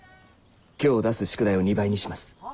今日出す宿題を２倍にしますは？